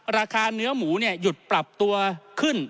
ราคาเนื้อหมูหยุดปรับตัวขึ้น